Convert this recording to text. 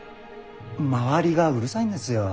周りがうるさいんですよ。